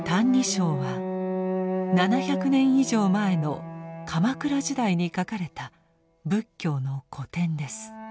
「歎異抄」は７００年以上前の鎌倉時代に書かれた仏教の古典です。